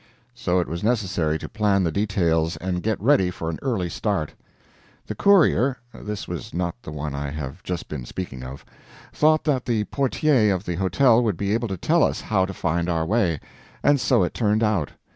So it was necessary to plan the details, and get ready for an early start. The courier (this was not the one I have just been speaking of) thought that the portier of the hotel would be able to tell us how to find our way. And so it turned out.